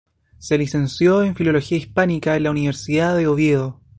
Se licenció en Filología Hispánica en la Universidad de Oviedo.